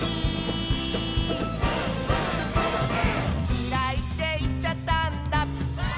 「きらいっていっちゃったんだ」